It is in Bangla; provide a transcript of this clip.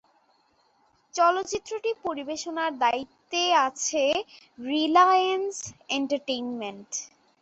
চলচ্চিত্রটি পরিবেশনার দায়িত্বে আছে রিলায়েন্স এন্টারটেইনমেন্ট।